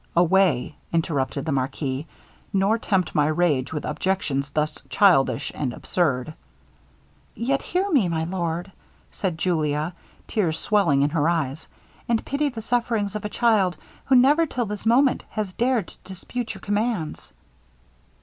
'Away!' interrupted the marquis, 'nor tempt my rage with objections thus childish and absurd.' 'Yet hear me, my lord,' said Julia, tears swelling in her eyes, 'and pity the sufferings of a child, who never till this moment has dared to dispute your commands.'